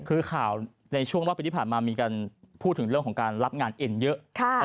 คือข่าวในช่วงรอบปีที่ผ่านมามีการพูดถึงเรื่องของการรับงานเอ็นเยอะ